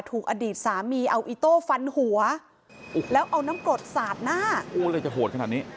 ถูกอดีตสามีเอาอิโต้ฟันหัวแล้วเอาน้ำกรดสาดหน้าโอ้อะไรจะโหดขนาดนี้